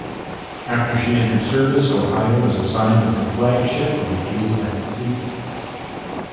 After she entered service, "Ohio" was assigned as the flagship of the Asiatic Fleet.